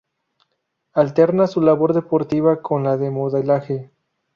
Alterna su labor deportiva con la de modelaje.